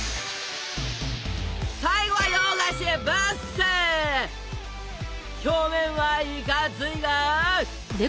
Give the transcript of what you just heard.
最後は洋菓子表面はいかついが。